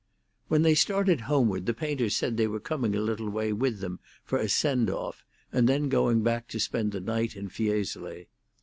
When they started homeward the painters said they were coming a little way with them for a send off, and then going back to spend the night in Fiesole.